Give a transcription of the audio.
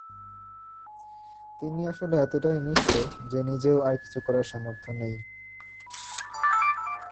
তিনি আসলে এতটাই নিঃস্ব যে নিজেও আর কিছু করার সামর্থ নেই।